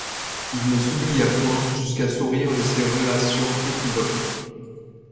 Il ne s'oublia point jusqu'à sourire de ces relations équivoques.